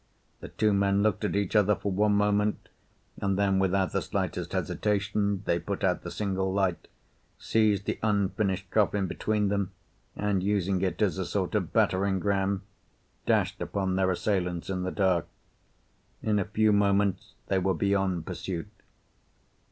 The two men looked at each other for one moment, and then without the slightest hesitation they put out the single light, seized the unfinished coffin between them, and using it as a sort of battering ram, dashed upon their assailants in the dark. In a few moments they were beyond pursuit.